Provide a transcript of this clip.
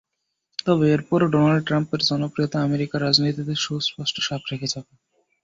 তবে এরপরও ডোনাল্ড ট্রাম্পের জনপ্রিয়তা আমেরিকার রাজনীতিতে সুস্পষ্ট ছাপ রেখে যাবে।